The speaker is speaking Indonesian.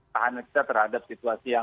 tahanan kita terhadap situasi yang